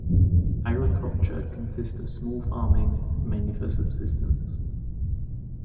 Agriculture consists of small farming, mainly for subsistence.